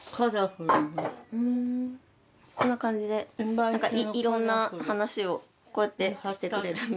こんな感じでなんか色んな話をこうやってしてくれるので。